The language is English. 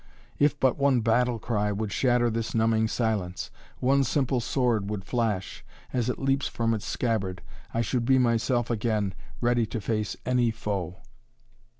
If but one battle cry would shatter this numbing silence, one simple sword would flash, as it leaps from its scabbard, I should be myself again, ready to face any foe!"